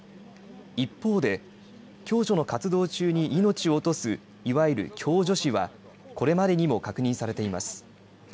一方で共助の活動中に命を落とすいわゆる共助死はこれまでにも確認されています。